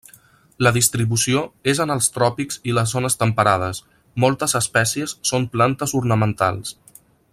La distribució és en els tròpics i les zones temperades, moltes espècies són plantes ornamentals.